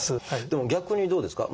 でも逆にどうですか？